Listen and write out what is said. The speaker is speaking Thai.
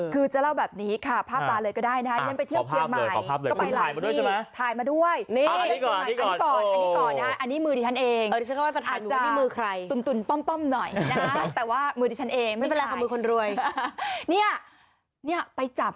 คือจะเล่าแบบนี้ค่ะภาพมาเลยก็ได้นะฮะ